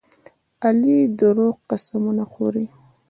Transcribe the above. علي دروغ قسمونه خوري.